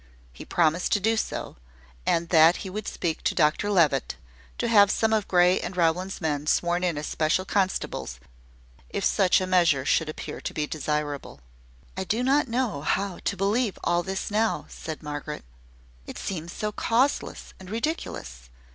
He promised to do so; and that he would speak to Dr Levitt, to have some of Grey and Rowlands men sworn in as special constables, if such a measure should appear to be desirable. "I do not know how to believe all this now," said Margaret; "it seems so causeless and ridiculous!